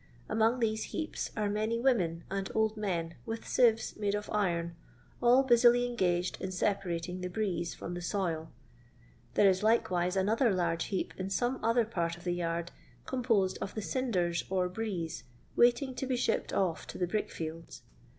Among these heaps are many women and old men with sieves made of iron, all busily engaged in separating the "brieze" from the " soil." There is likewise another large heap in some other part of the yard, composed of the cinders or *' britze " waiting to be shipped off to the brickfields.